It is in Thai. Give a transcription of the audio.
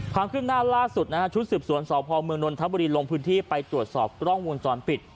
ความขึ้นหน้าล่าสุดนะครับชุดสืบสวนสอบภอมเมืองนทบุรีลงพื้นที่ไปตรวจสอบร่องวงจรปิด